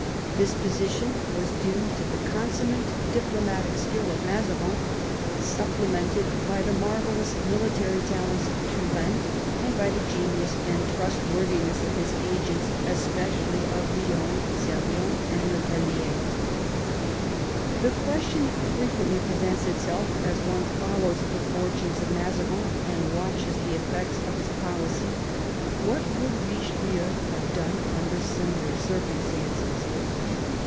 This position was due to the consummate diplomatic skill of Mazarin, supplemented by the mar vellous military talents of Turenne and by the genius and trustworthiness of his agents, especially of Lionne, Servien, and le Tellier. The question frequently presents itself, as one follows the fortunes of Mazarin and watches the effects of hia _ policy/what would Eichelieu have" done under similar cfrcumstances